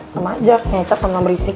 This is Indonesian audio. sama aja ngecap sama berisik